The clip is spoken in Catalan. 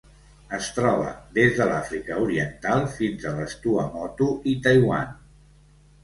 Es troba des de l'Àfrica Oriental fins a les Tuamotu i Taiwan.